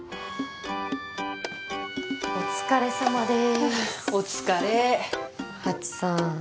お疲れさまでーすお疲れハチさん